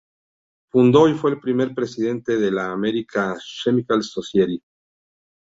Fundó y fue el primer presidente de la American Chemical Society.